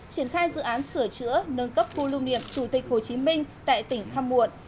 triển khai dự án sửa chữa nâng cấp khu lưu niệm chủ tịch hồ chí minh tại tỉnh khăm muộn